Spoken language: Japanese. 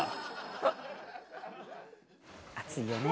暑いよね